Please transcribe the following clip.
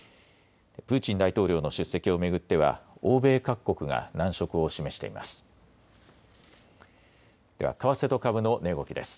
プーチン大統領の出席を巡っては、欧米各国が難色を示しています。